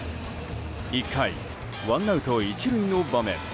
１回、ワンアウト１塁の場面。